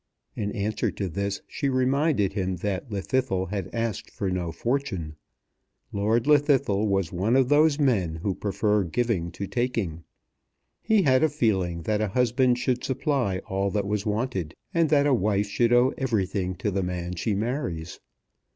In answer to this she reminded him that Llwddythlw had asked for no fortune. Lord Llwddythlw was one of those men who prefer giving to taking. He had a feeling that a husband should supply all that was wanted, and that a wife should owe everything to the man she marries.